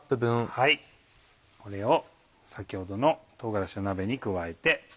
これを先ほどの唐辛子の鍋に加えて。